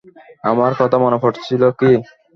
আমার কথা মনে পড়েছিল কি?